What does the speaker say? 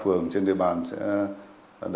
phường điển hình kiểu mẫu về an ninh trật tự